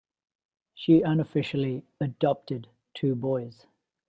She unofficially 'adopted' two boys.